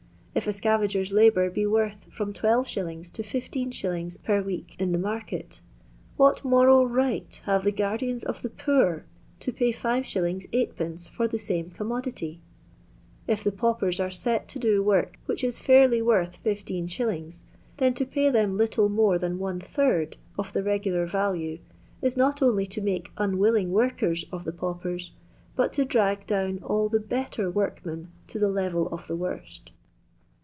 If a scavager's labour be worth from 12f: to 15*, per week in the market, what moral right have the guardiani qf (ktpoor to pay 5«. Sd. for the ssme commodity 1 If the paupers are set to do work which is nirly worth 15s., then to pay them little more than one third of the regular value is not only to make unwilling woriEen of the paupers, but to drag down all the better workmen to the level of the worst.